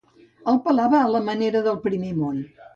El pelava a la manera del primer món.